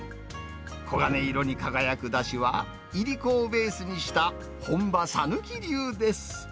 黄金色に輝くだしは、いりこをベースにした本場、讃岐流です。